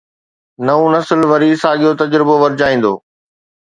نئون نسل وري ساڳيو تجربو ورجائيندو.